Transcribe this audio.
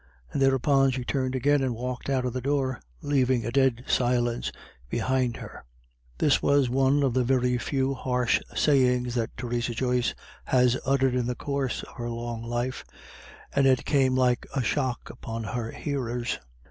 And thereupon she turned again, and walked out of the door, leaving a dead silence behind her. This was one of the very few harsh sayings that Theresa Joyce has uttered in the course of her long life, and it came like a shock upon her hearers.